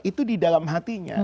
itu di dalam hatinya